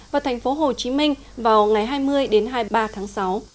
và thành phố hồ chí minh vào ngày hai mươi đến hai mươi ba tháng sáu